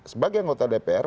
sebagai anggota dpr